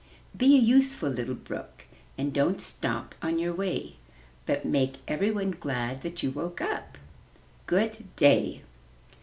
Be a useful little brook, and don't stop on your way, but make every one glad that you woke up. Good day."